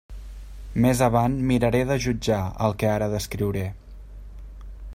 Més avant miraré de jutjar el que ara descriuré.